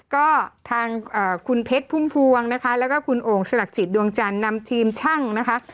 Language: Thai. ก็ทางคุณเพชรพุ่มพวงนะคะแล้วก็คุณโอ่งสลักจิตดวงจันทร์นำทีมช่างนะคะ